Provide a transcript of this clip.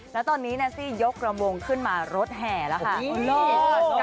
แล้วตอนนี้แนนซี่ยกระวงขึ้นมารถแห่แล้วค่ะ